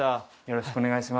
よろしくお願いします